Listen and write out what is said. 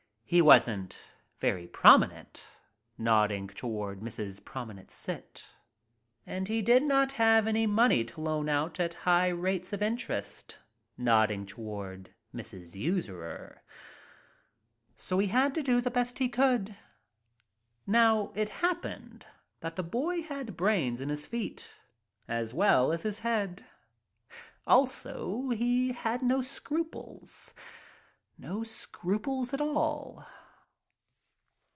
He wasn't very prominent (nodding toward Mrs. Prominent Cit.) And he did not have any money to loan out at high rates of interest. (Nodding toward Mrs. So he had to do the best he could. Now, it happened that the boy had brains in his feet as well as his head. Also he had no scruples. No scru ples, a tall.